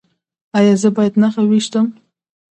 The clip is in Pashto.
ایا زه باید نښه وویشتم؟